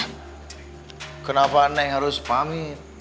kenapa neng harus pamit